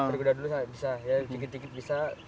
berkuda dulu saya bisa ya sedikit sedikit bisa